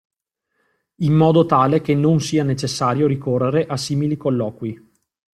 In modo tale che non sia necessario ricorrere a simili colloqui.